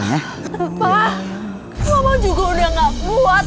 pa mama juga udah gak buat